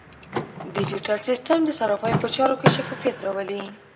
ډیجیټل سیستم د صرافۍ په چارو کې شفافیت راولي.